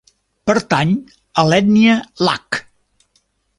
Pertany a l'ètnia Lak.